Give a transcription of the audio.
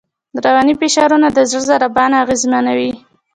رواني فشارونه د زړه ضربان اغېزمنوي.